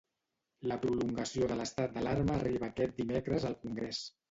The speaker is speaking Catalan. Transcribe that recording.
La prolongació de l'estat d'alarma arriba aquest dimecres al Congrés.